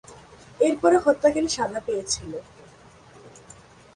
এর পরে হত্যাকারী সাজা পেয়েছিল।